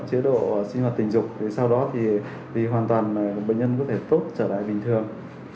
chế độ sinh hoạt tình dục sau đó thì hoàn toàn bệnh nhân có thể tốt trở lại bình thường